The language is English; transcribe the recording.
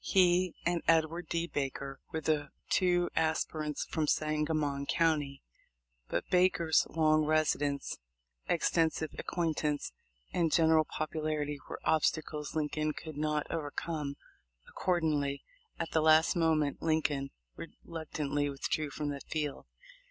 He and Edward D. Baker were the two aspirants from Sangamon county, but Baker's long residence, extensive acquaintance, and THE LIFE OF LINCOLN. 267 general popularity were obstacles Lincoln could not overcome ; accordingly, at the last moment, Lincoln reluctantly withdrew from the field.